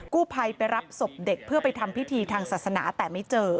กู้ภัยไปรับศพเด็กเพื่อไปทำพิธีทางศาสนาแต่ไม่เจอ